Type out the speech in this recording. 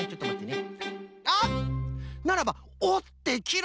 あっならばおってきる